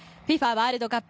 ワールドカップ